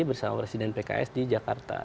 bersama presiden pks di jakarta